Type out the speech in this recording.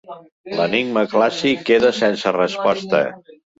L'enigma clàssic queda sense resposta.